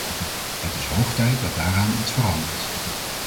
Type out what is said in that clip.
Het is hoog tijd dat daaraan iets verandert!